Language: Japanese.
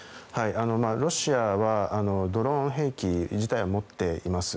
ロシアはドローン兵器自体は持っています。